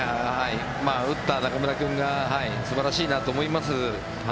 打った中村君が素晴らしいなと思います。